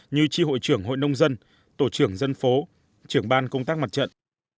như chi hội trưởng hội nông dân tổ trưởng dân phố trưởng ban công tác mặt trận